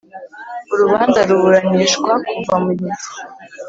Urubanza ruburanishwa kuva mu mizi